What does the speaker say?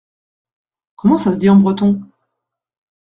Comment ça se dit en breton ?